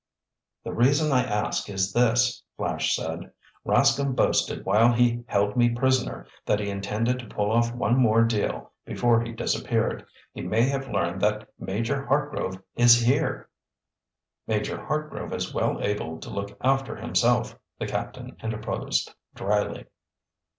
"The reason I ask is this," Flash said. "Rascomb boasted while he held me prisoner that he intended to pull off one more deal before he disappeared. He may have learned that Major Hartgrove is here—" "Major Hartgrove is well able to look after himself," the captain interposed dryly.